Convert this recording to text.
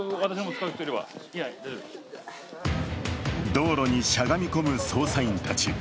道路にしゃがみ込む捜査員たち。